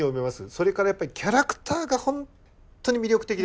それからやっぱりキャラクターがほんとに魅力的です。